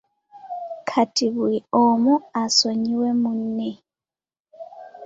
Kati bulu omu asonyiiwe munne.